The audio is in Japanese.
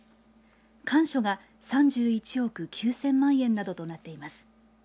かんしょが３１億９０００万円などとなっています。